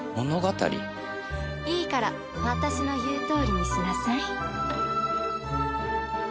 いいから私の言うとおりにしなさい。